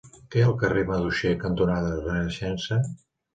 Què hi ha al carrer Maduixer cantonada Renaixença?